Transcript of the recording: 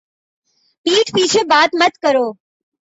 پِیٹھ پیچھے بات مت کرو